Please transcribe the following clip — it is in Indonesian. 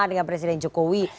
dengan presiden jokowi